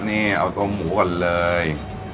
นี่เอาตัวหมูก่อนเลย